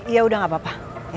iya udah gak apa apa